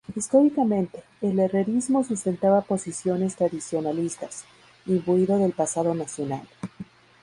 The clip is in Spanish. Históricamente, el Herrerismo sustentaba posiciones tradicionalistas, imbuido del pasado nacional.